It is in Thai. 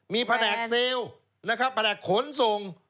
มีแผนกซีลแผนกขนส่ง